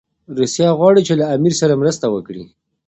روسیه غواړي چي له امیر سره مرسته وکړي.